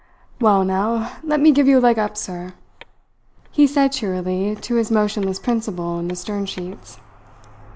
"Well, now, let me give you a leg up, sir," he said cheerily to his motionless principal in the stern sheets.